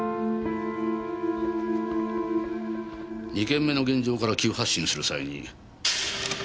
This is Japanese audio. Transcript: ２件目の現場から急発進する際に。